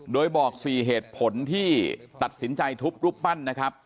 โดยบอก๔เหตุผลที่ตัดสินใจทุบรูปปั้นนะครับ